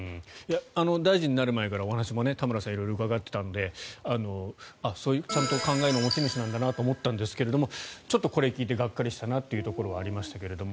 大臣になる前から田村さんには話を色々、伺っていたのでそういう考えの持ち主なんだなと思ったんですがちょっとこれを聞いてがっかりしたところがありましたけど。